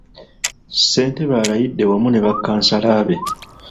Ssentebe alayidde wamu ne bakkansala be.